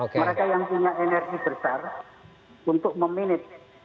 mereka yang punya energi besar untuk memanage